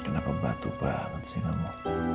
kenapa batu banget sih kamu